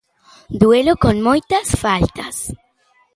Duelo con moitas faltas.